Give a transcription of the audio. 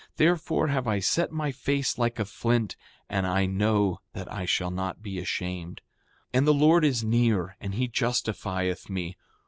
Therefore have I set my face like a flint, and I know that I shall not be ashamed. 7:8 And the Lord is near, and he justifieth me.